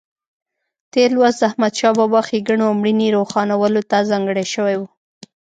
تېر لوست د احمدشاه بابا ښېګڼو او مړینې روښانولو ته ځانګړی شوی و.